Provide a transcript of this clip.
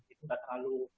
itu gak terlalu